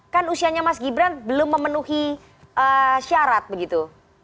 kan usianya mas gibran belum memenuhi syarat begitu